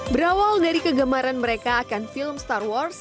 berawal dari kegemaran mereka akan film star wars